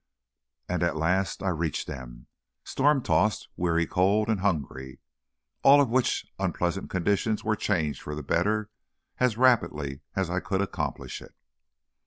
And at last I reached them, storm tossed, weary, cold, and hungry, all of which unpleasant conditions were changed for the better as rapidly as I could accomplish it.